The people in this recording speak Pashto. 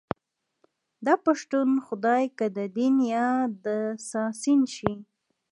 داپښتون خدای که ددين يا دسادين شي